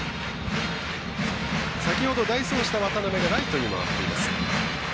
先ほど代走した渡邉がライトに回っています。